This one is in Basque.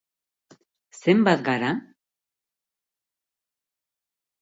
Zenbat gara?